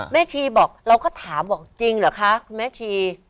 ชีบอกเราก็ถามบอกจริงเหรอคะคุณแม่ชี